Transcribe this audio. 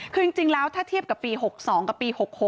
คือจริงแล้วถ้าเทียบกับปี๖๒กับปี๖๖